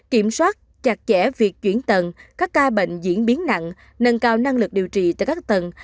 kiểm soát chặt chẽ việc chuyển tầng các ca bệnh diễn biến nặng nâng cao năng lực điều trị tại các tầng